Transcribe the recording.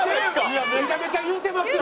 いやめちゃめちゃ言うてますよ！